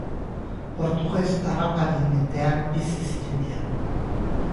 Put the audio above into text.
Portuges harraparien mendean bizi zirenean.